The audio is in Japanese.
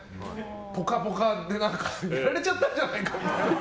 「ぽかぽか」でやられちゃったんじゃないかみたいな。